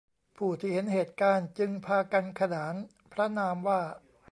ผู้ที่เห็นเหตุการณ์จึงพากันขนานพระนามว่า